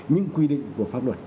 những quy định của pháp luật